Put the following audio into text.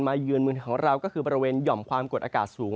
เยือนเมืองของเราก็คือบริเวณหย่อมความกดอากาศสูง